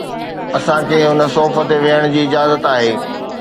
اسان کي هن صوف تي ويهڻ جي اجازت آهي